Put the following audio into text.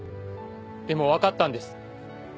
でもわかったんです。